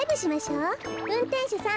うんてんしゅさん。